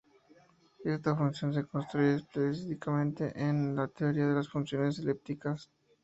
Esta función se construye explícitamente en la teoría de las funciones elípticas.